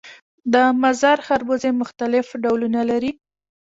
د مزار خربوزې مختلف ډولونه لري